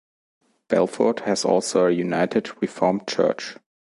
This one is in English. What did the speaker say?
Belford has also a United Reformed Church.